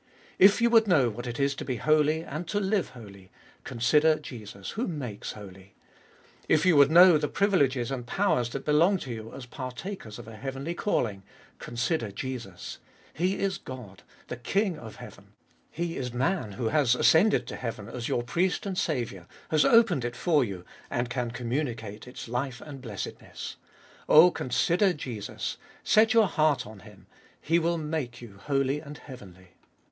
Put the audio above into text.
If you would know what it is to be holy and to live holy, consider Jesus who makes holy ! If you would know the privileges and powers that belong to you as partakers of a heavenly calling, consider Jesus ! He is God, the King of heaven ! He is Man who has ascended to heaven as your Priest and Saviour, has opened it for you, and can communicate its life and blessedness. Oh, consider Jesus ! set your heart on Him ; He will make you holy and heavenly.